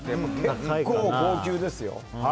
結構高級ですよ。